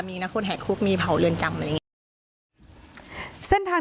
มีนะคนแหกคุกมีเผาเรือนจำอะไรอย่างนี้เส้นทาง